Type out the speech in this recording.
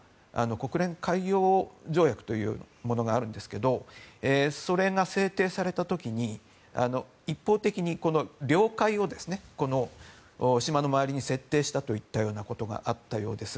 国連海洋条約というものがあるんですがそれが制定された時に一方的に領海を島の周りに設定したといったようなことがあったようです。